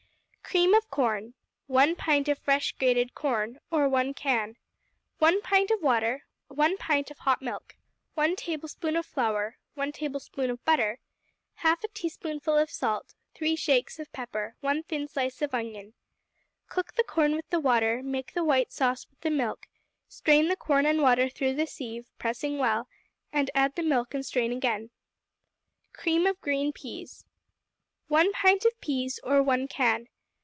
Cream of Corn 1 pint of fresh grated corn, or one can. 1 pint of water. 1 pint of hot milk. 1 tablespoonful of flour. 1 tablespoonful of butter. 1/2 teaspoonful of salt. 3 shakes of pepper. 1 thin slice of onion. Cook the corn with the water; make the white sauce with the milk; strain the corn and water through the sieve, pressing well, and add the milk and strain again. Cream of Green Peas 1 pint of peas, or one can.